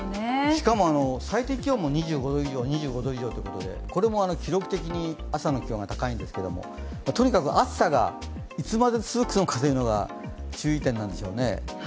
しかも最低気温も２５度以上ということで、これも記録的に朝の気温が高いんですけれどとにかく暑さがいつまで続くのかというのが注意点なんでしょうね。